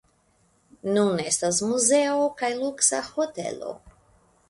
Nun estas muzeo kaj luksa hotelo.